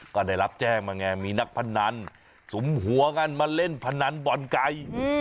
ก็ได้รับแจ้งมาไงมีนักพนันสุมหัวกันมาเล่นพนันบ่อนไก่